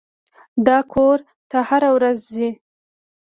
دا کور ته هره ورځ ځي.